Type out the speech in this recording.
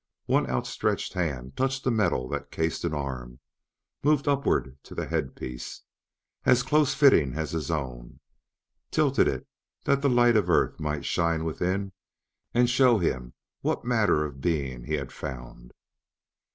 One outstretched hand touched the metal that cased an arm; moved upward to the headpiece, as close fitting as his own; tilted it that the light of Earth might shine within and show him what manner of being he had found.